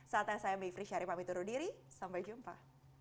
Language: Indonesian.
saatnya saya mie frischari pamiturudiri sampai jumpa